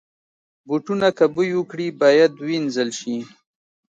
بوټونه که بوی وکړي، باید وینځل شي.